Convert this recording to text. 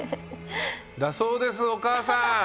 だそうですお母さん！